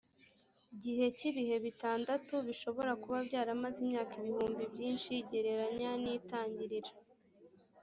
gihe cy ibihe bitandatu bishobora kuba byaramaze imyaka ibihumbi byinshi gereranya n itangiriro